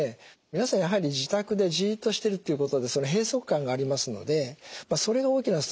皆さんやはり自宅でじっとしてるっていうことで閉塞感がありますのでそれが大きなストレスになっている。